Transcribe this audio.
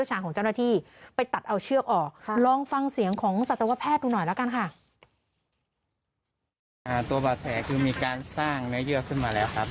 ตัวบาดแผลคือมีการสร้างเนื้อเยื่อขึ้นมาแล้วครับ